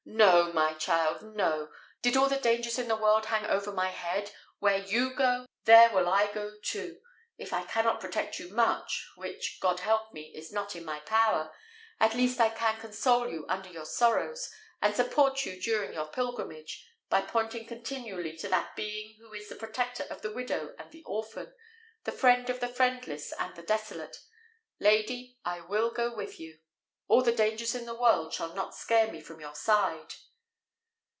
"No, my child, no! Did all the dangers in the world hang over my head, where you go, there will I go too. If I cannot protect you much which, God help me! is not in my power at least I can console you under your sorrows, and support you during your pilgrimage, by pointing continually to that Being who is the protector of the widow and the orphan, the friend of the friendless and the desolate. Lady, I will go with you. All the dangers in the world shall not scare me from your side."